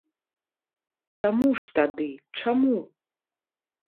Чаму ж тады, чаму?